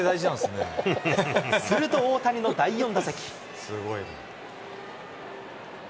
すると大谷の第４打席。